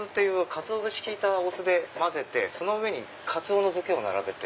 かつお節利いたお酢で混ぜてその上にカツオの漬けを並べて。